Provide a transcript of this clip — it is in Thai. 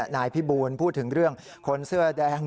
นายพิบูลพูดถึงเรื่องคนเสื้อแดง